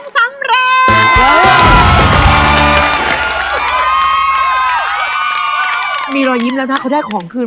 ทีสำคัญที่สุดคือ